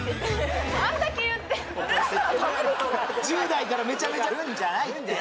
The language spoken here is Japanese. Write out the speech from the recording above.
・１０代からめちゃめちゃ・「るん」じゃないって！